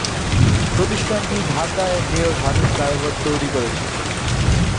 প্রতিষ্ঠানটি ঢাকায় mayor Hanif flyover তৈরি করেছে।